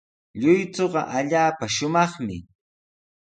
Lluychuqa allaapa shumaqmi.